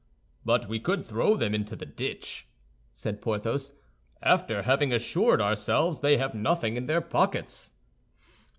"But we could throw them into the ditch," said Porthos, "after having assured ourselves they have nothing in their pockets."